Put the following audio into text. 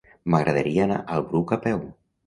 M'agradaria anar al Bruc a peu.